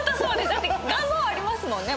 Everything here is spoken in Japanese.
だって願望ありますもんね？